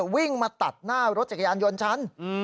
วิ่งมาตัดหน้ารถจักรยานยนต์ฉัน